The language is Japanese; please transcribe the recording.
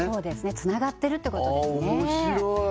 つながってるってことですね面白い！